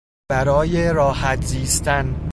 برای راحت زیستن